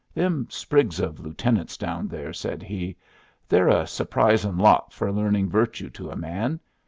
"Them sprigs of lieutenants down there," said he, "they're a surprising lot for learning virtue to a man.